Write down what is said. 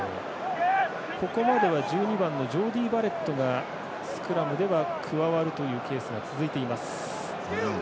ここまでは、１２番のジョーディー・バレットがスクラムでは加わるというケースが続いています。